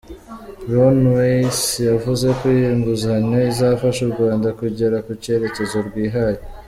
Ron Weiss, yavuze ko iyi nguzanyo izafasha u Rwanda kugera ku cyerekezo rwihaye.